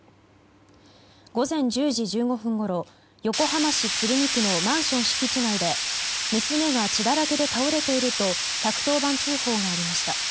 午前１０時１５分ごろ横浜市鶴見区のマンション敷地内で娘が血だらけで倒れていると１１０番通報がありました。